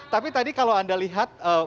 tapi tadi kalau anda lihat